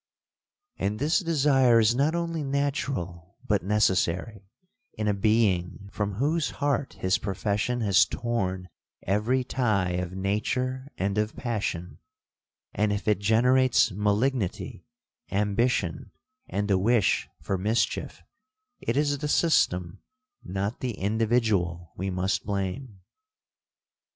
And this desire is not only natural but necessary, in a being from whose heart his profession has torn every tie of nature and of passion; and if it generates malignity, ambition, and the wish for mischief, it is the system, not the individual, we must blame.